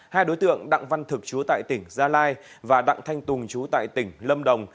hai đối tượng đặng văn thực chú tại tỉnh gia lai và đặng thanh tùng chú tại tỉnh lâm đồng